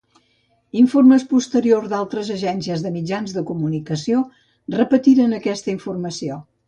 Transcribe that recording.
Informes posteriors d'altres agències de mitjans de comunicació repetiren aquesta informació.